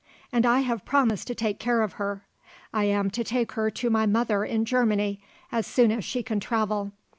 And I have promised to take care of her. I am to take her to my mother in Germany as soon as she can travel.